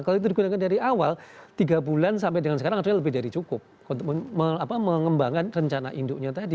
kalau itu digunakan dari awal tiga bulan sampai dengan sekarang artinya lebih dari cukup untuk mengembangkan rencana induknya tadi